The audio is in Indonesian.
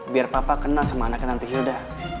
biar papa kenal sama anaknya nanti hilda